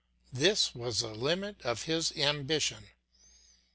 This was the limit of his ambition.